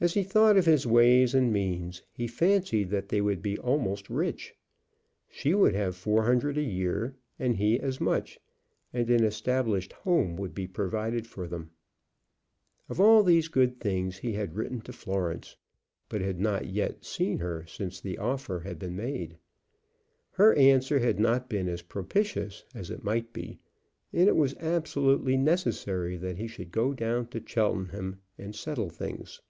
As he thought of his ways and means he fancied that they would be almost rich. She would have four hundred a year, and he as much; and an established home would be provided for them. Of all these good things he had written to Florence, but had not yet seen her since the offer had been made. Her answer had not been as propitious as it might be, and it was absolutely necessary that he should go down to Cheltenham and settle things.